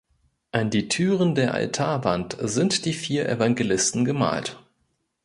An die Türen der Altarwand sind die vier Evangelisten gemalt.